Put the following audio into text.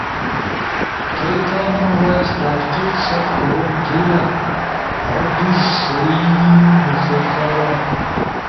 تھئی کامن وائس تحقیق ست کوروم تھئی لا ہر دیز صحیح مقصد کارا